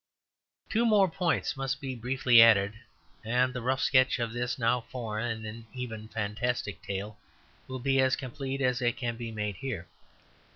Two more points must be briefly added; and the rough sketch of this now foreign and even fantastic state will be as complete as it can be made here.